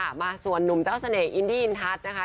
มาส่วนหนุ่มเจ้าเสน่หอินดี้อินทัศน์นะคะ